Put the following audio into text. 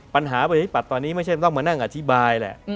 ประชาธิปัตย์ตอนนี้ไม่ใช่ต้องมานั่งอธิบายแหละ